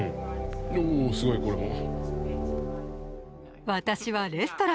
おすごいこれも。